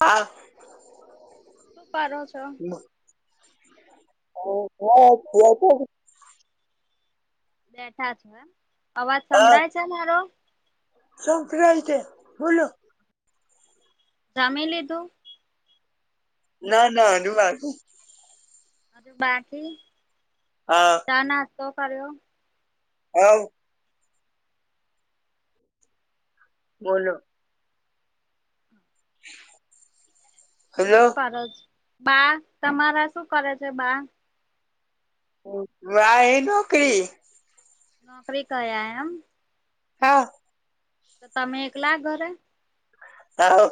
હા. શું કરો છો? હ, હ. બેઠા છે એમ, અવાજ સંભળાય છે મારો? સંત રહે છે, બોલો? જમી લીધું? ના, ના, હજુ બાકી છે. હ, બાકી. હા. નાસ્તો કર્યો? હ. બોલો. [inaudible] શું કરે છે? બા તમારા શું કરે છે? બા. એ નોકરી નોકરી ક્યા એમ. હા. તો તમે એકલા ઘરે હા.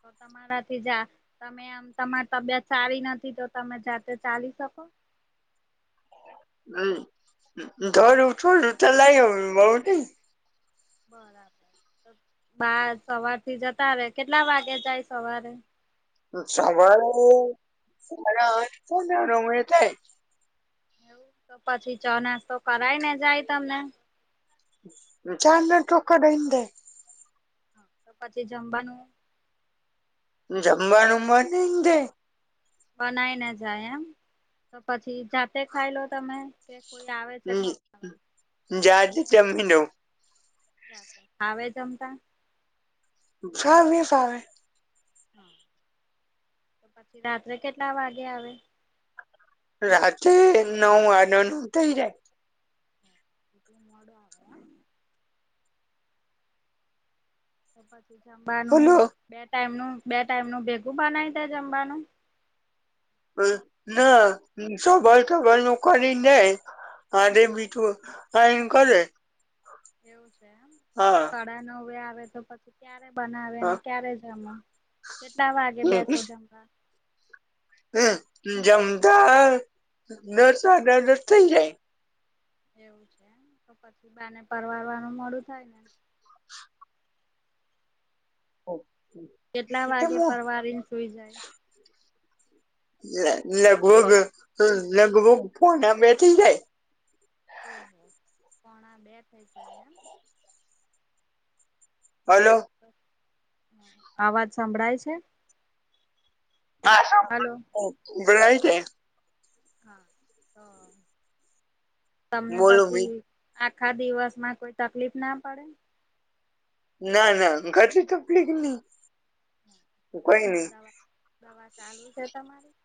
તો તમારા થી જા. તમે આમ તમારી તબિયત સારી નથી, તો તમે જાતે ચાલી શકો? હમ, ધર ઉ છડું ચ લાગ બવ ન [unintelligible] બરાબર, બરાબર, સવાર થી જતા ર કેટલા વાગે જાય? સવારે. સવારે સરાનામ તોાય [unintelligible] એવું? તો પછી ચોનાસ તો કરાય ને, જાય તમને. ચાંદ ટોકડાઈ. હા, તો પછી જમવાનું. જમવાનું ઉવા જે. બનાઈ ને જાય એમ, તો પછી જાતે ખાઈ લો તમે. કોઈ આવે? છે ખવડાવા જજ જમીન [unintelligible] હાવે જમતા. ચાર-વીસ આવે. હા, તો પછી રાત્રે કેટલા વાગે આવે? રાત્રે નવ વા ન નવ થઇ જાય [unintelligible] એટલે મોડો આવે. તો પછી જમવાનું, બોલો બે ટાઈમનું બે ટાઈમનું ભેગું બનાવી દે, જમવાનું. ના સભર તભર ન કરી નને [unintelligible] હા, રે બીટું હા, એ કે. એવું છે, એમ તો સાડા નવ વે આવે, તો પ ક્યારે બનાવે ને, ક્યારે જમો કેટલા વાગે બેસો? જમતા હમ, જમતા દસ જ થઇ જાય. એવું છે તો પછી બાને પરવારવાનું મોળું થાય ને. ઓકે. કેટલા વાગે પરવારીને સુઈ જાય. લગભગ-લગભગ પોણા બે થઈ જાય. ઓહો પોણા બે થઈ જાય એમ. હલો. આવાજ સંભળાય છે હલો. હો હંભળાય છે. હા તો તમને બોલો ભી પછી આખા દિવસમાં કોઈ તકલીફ ના પડે. ના-ના ઘરથી નહી. તો કઈ તમારી નઈ દવા દવા ચાલુ છે તમારી.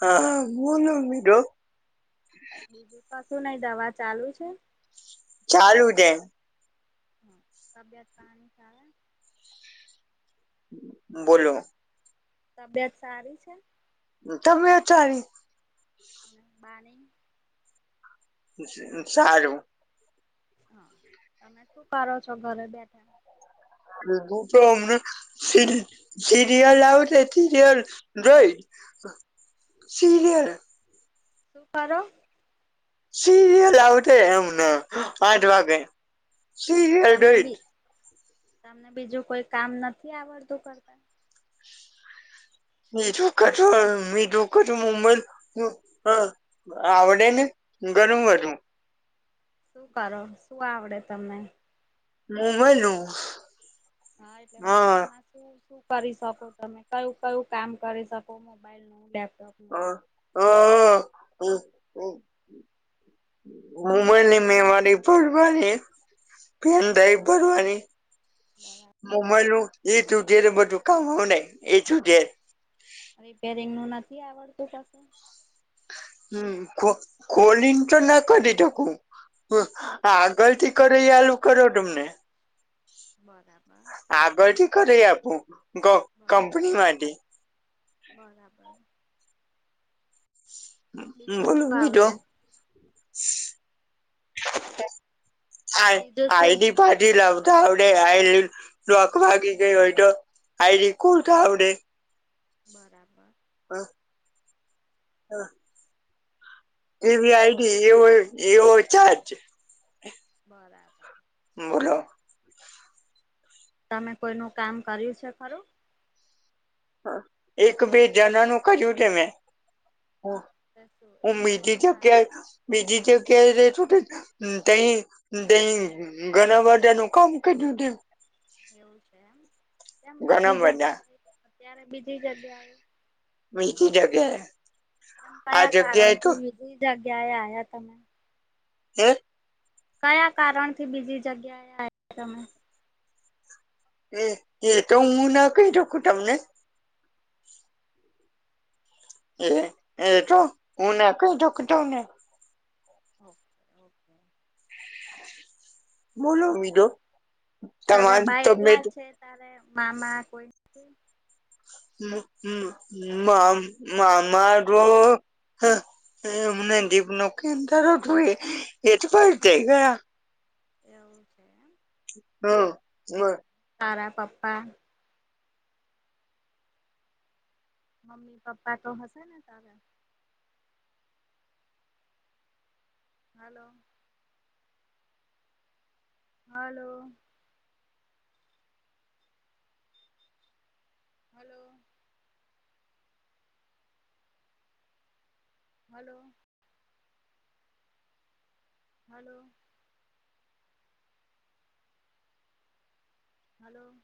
હા બોલો મિડો. બીજું કશું નહી દવા ચાલુ છે. ચાલુ છે. હમ્મ તબિયત પાણી સારા ને. બોલો. તબિયત સારી છે. હમ્મ તબિયત સારી. બા ની? સારું. હા તમે શું કરો છો ઘરે બેઠા. એ તું તો અમને સિરી સિરિયલ આવશે સિરિયલ જોઈ. સીરિયલ. શું કરો. સીરિયલ આવતે એમને આઠ વાગે. તો સિરિયલ તમને જોઈશ બી તમને બીજું કોઈ કામ નથી આવડતું કરતા. [unintelligible] આવડે ને ગણુંબધું. શું કરો શું આવડે તમને. મુંબાઈનું. હા એટલે મોબાઈલમાં શ શું શું કરી શકો તમે કયું કયું કામ કરી શકો મોબાઈલ નું લેપટોપ. નું હા હ હમ્મ હ. મોબાઈલની મેમરી ભરવાની. પેન હમ ડ્રાઈવ ભરવાની બરાબર મોબાઈલું. [unintelligible] રિપેરિંગનું નથી આવડતું પાસું. હમન ખો ખોલીન તો ના કરી શકું. આગળથી કરો ઇ આલું કરો તમને. બરાબર. આગળથી કરરાઈ આપું કં બર કંપની માથી. બરાબર. બીજું બોલો શું આવડે બીજું?? આઈ બીજું શું આઈડી. પાછી લાઉ તો આવડે આઈડી લોક વાગી ગઈ હોય તો. આઈડી ખોલતા આવડે. બરાબર. હા હા. યુપીઆઈ આઈડી એવુ એવુ ચારજ બરાબર બોલો તમે કોઈનું કામ કર્યું છે ખરું એક બેીજનાનું કજુ ઉઠે ને હ હા તો શું એ હું લોકો બીજી નું કામ જગ્યા બીજી જગ્યાએ રત તેહી તેહી ગણા વાદ્યાનું કામ ક દું તે એવું છે એમ એમ ઘણા બીજી બધા જગ્યા આવી અત્યારે બીજી જગ્યા એ બીજી જગ્યા. એમ કયા કારણ કે બીજી જગ્યા એ આ્યા તમે. જે કયા કારણથી બીજી જગ્યાએ તમે. એ એતો મુ કૈ તો ખતોઓને એ એ તો હના કો દઃખતાને. Okay okay. બોલો બીજો તમામ તમે ત્યારે મા મા કોઈ. મારો [unintelligible] એવું છે. [inaudible] તારા પપ્પા. મમ્મી પપ્પા તો હશે ને તારે. Hello. Hello. Hello. Hello. Hello. Hello.